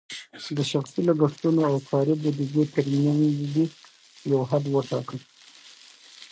د شخصي لګښتونو او کاري بودیجې ترمنځ دې یو حد وټاکه.